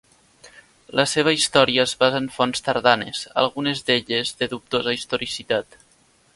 La seva història es basa en fonts tardanes, algunes d'elles de dubtosa historicitat.